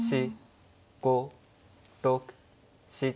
５６７８。